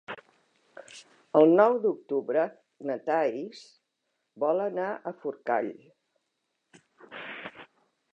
El nou d'octubre na Thaís vol anar a Forcall.